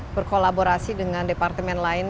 berkolaborasi dengan departemen lain